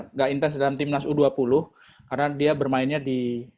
tidak intens dalam timnas u dua puluh karena dia bermainnya di